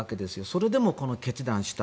それでもこの決断をした。